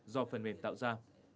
do phần mềm tạo ra